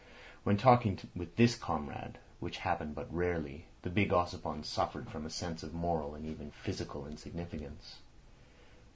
When talking with this comrade—which happened but rarely—the big Ossipon suffered from a sense of moral and even physical insignificance.